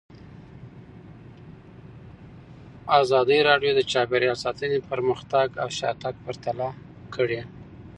ازادي راډیو د چاپیریال ساتنه پرمختګ او شاتګ پرتله کړی.